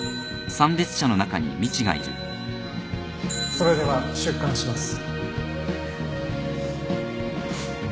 それでは出棺します。